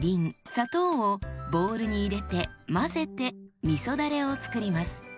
砂糖をボウルに入れて混ぜてみそだれを作ります。